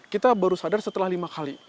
kita baru sadar setelah lima kali